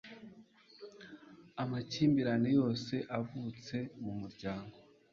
amakimbirane yose avutse mu muryango